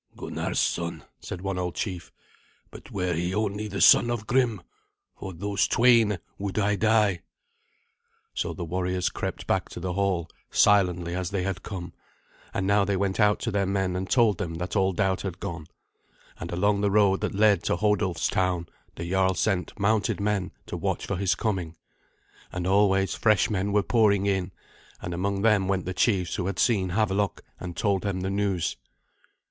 "Gunnar's son," said one old chief: "but were he only the son of Grim, for those twain would I die." So the warriors crept back to the hall silently as they had come; and now they went out to their men and told them that all doubt had gone, and along the road that led to Hodulf's town the jarl sent mounted men to watch for his coming. And always fresh men were pouring in, and among them went the chiefs who had seen Havelok, and told them the news.